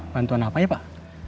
bantuan apa ya pak